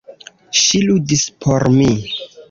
Ŝi ludis por mi!